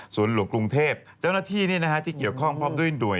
ส่วนหลวงกรุงเทพเจ้าหน้าที่ที่เกี่ยวข้องพร้อมด้วยหน่วย